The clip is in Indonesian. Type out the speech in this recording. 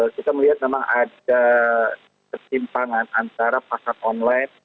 kita melihat memang ada ketimpangan antara pasar online